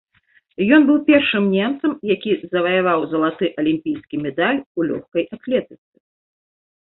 Ён быў першым немцам, які заваяваў залаты алімпійскі медаль у лёгкай атлетыцы.